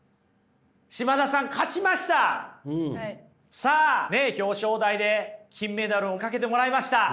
さあ表彰台で金メダルをかけてもらいました。